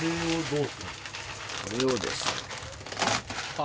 これをですね。